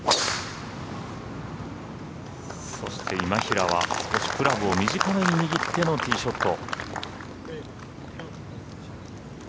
そして今平は少しクラブを短めに握ってのティーショット。